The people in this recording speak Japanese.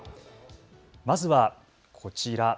まずはこちら。